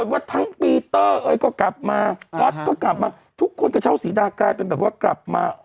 เรตติ้งทะลุ๕ทุกตอนครับ